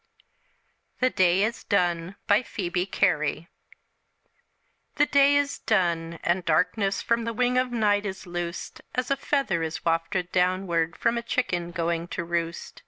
"THE DAY IS DONE" BY PHOEBE CARY The day is done, and darkness From the wing of night is loosed, As a feather is wafted downward, From a chicken going to roost.